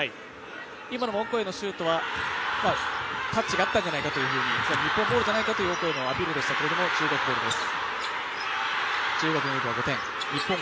今のオコエのシュートがタッチがあったんじゃないか、日本ゴールじゃないかというオコエのアピールでしたが中国ゴールです。